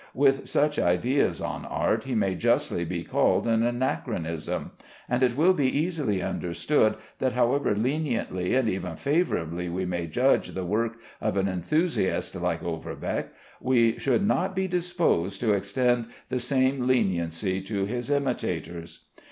With such ideas on art he may justly be called an anachronism, and it will be easily understood that however leniently and even favorably we may judge the work of an enthusiast like Overbeck, we should not be disposed to extend the same leniency to his imitators.